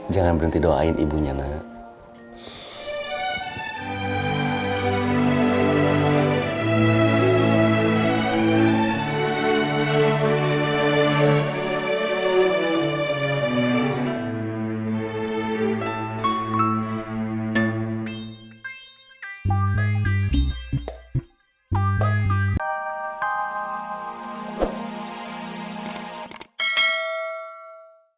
jangan berhenti doain ibunya nak